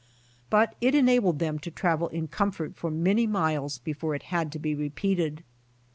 But it enabled them to travel in comfort for many miles before it had to be repeated.